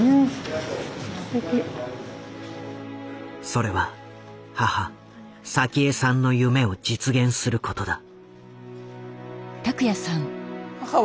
それは母・早紀江さんの夢を実現することだ。